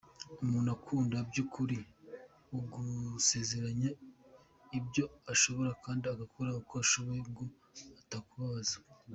Umuntu ugukunda by’ukuri agusezeranya ibyo azashobora kandi agakora uko ashoboye ngo atakubabaza.